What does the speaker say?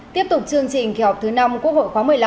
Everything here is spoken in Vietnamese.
tiếp tục chương trình khi học thứ năm quốc hội khoá một mươi năm